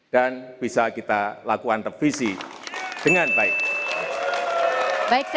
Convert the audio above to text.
dan bisa kita lakukan revisi dengan baik